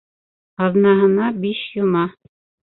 Аҙнаһына биш йома.